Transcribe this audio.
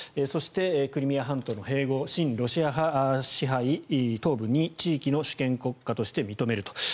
そして、クリミア半島の併合親ロシア派支配東部２地域を主権国家として認めると。